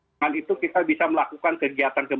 dengan itu kita bisa melakukan kegiatan